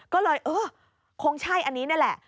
ก็เลยเออคงใช่อันนี้นี่แหละ